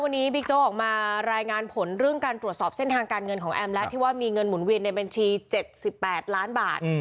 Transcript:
วันนี้บิ๊กโจ๊กออกมารายงานผลเรื่องการตรวจสอบเส้นทางการเงินของแอมแล้วที่ว่ามีเงินหมุนเวียนในบัญชี๗๘ล้านบาท